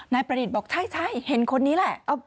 นายประดิษฐ์บอกใช่เห็นคนนี้แหละ